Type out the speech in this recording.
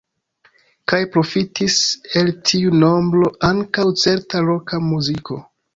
Kaj profitis el tiu nombro ankaŭ certa roka muziko.